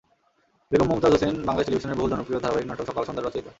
বেগম মমতাজ হোসেন বাংলাদেশ টেলিভিশনের বহুল জনপ্রিয় ধারাবাহিক নাটক সকাল সন্ধ্যার রচয়িতা।